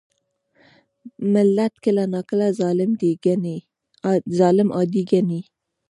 ملت کله ناکله ظالم عادي ګڼي.